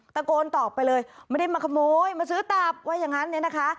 ตะโกนตอบไปเลยไม่ได้มาขโมยมาซื้อตับว่าอย่างนั้นเนี่ยนะคะ